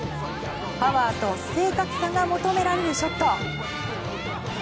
パワーと正確さが求められるショット。